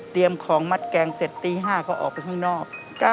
ของมัดแกงเสร็จตี๕ก็ออกไปข้างนอก